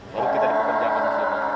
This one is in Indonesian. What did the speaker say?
baru kita dipekerjakan di sini